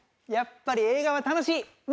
やっぱり映画は楽しい！